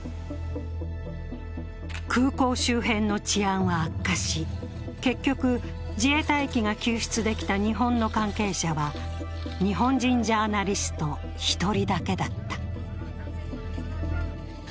空港周辺の治安は悪化し、結局、自衛隊機が救出できた日本の関係者は日本人ジャーナリスト１人だけだった。